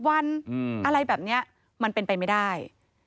วันอะไรแบบนี้มันเป็นไปไม่ได้